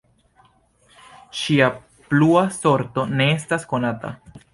Ŝia plua sorto ne estas konata.